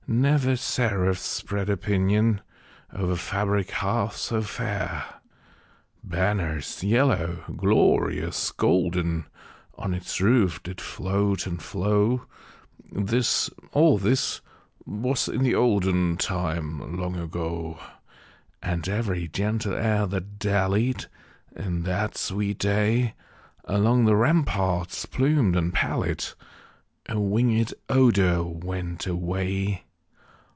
Never seraph spread a pinion Over fabric half so fair! Banners yellow, glorious, golden, On its roof did float and flow, (This all this was in the olden Time long ago), And every gentle air that dallied, In that sweet day, Along the ramparts plumed and pallid, A winged odor went away.